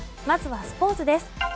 まずはスポーツです。